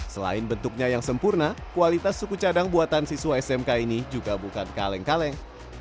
selain bentuknya yang sempurna kualitas suku cadang buatan siswa smk ini juga bukan kaleng kaleng